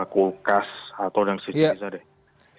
kulkas atau yang sedikit bisa dikonsumsi